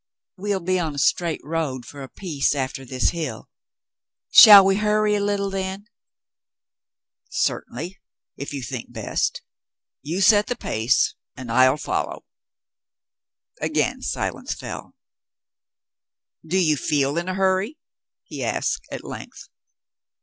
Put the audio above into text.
"We'll be on a straight road for a piece after this hill ; shall we hurry a little then ?" "Certainly, if you think best. You set the pace, and I'll follow." Again silence fell. "Do you feel in a hurry ?" he asked at length.